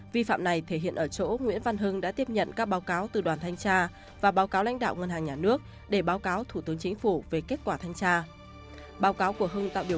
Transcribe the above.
vi phạm này thể hiện ở chỗ nguyễn văn hưng đã tiếp nhận các báo cáo từ đoàn thanh tra và báo cáo lãnh đạo ngân hàng nhà nước để báo cáo thủ tướng chính phủ về kết quả thanh tra